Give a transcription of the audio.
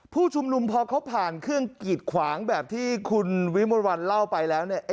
ผู้ชุมนุมพอเขาผ่านเครื่องกีดขวางแบบที่คุณวิมวลวันเล่าไปแล้วเนี่ย